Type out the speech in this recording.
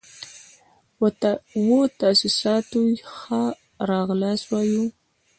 و تاسو ته ښه راغلاست وایو.